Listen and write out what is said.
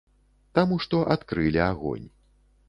Таму што адкрылі агонь.